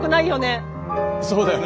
そうだよね。